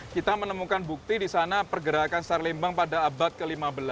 kita menemukan bukti di sana pergerakan sar lembang pada abad ke lima belas